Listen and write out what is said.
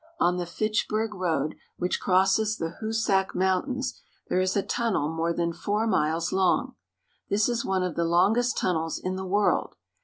On the Fitchburg road, which crosses the Hoosac Mountains, there is a tunnel more than four miles long. This is one of the longest tunnels in the world.